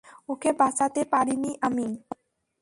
ওকে বাঁচাতে পারিনি আমি।